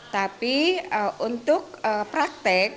tapi untuk praktek